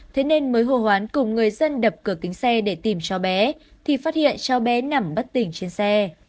thế nên mới hô hoán cùng người dân đập cửa kính xe để tìm cho bé thì phát hiện cháu bé nằm bất tỉnh trên xe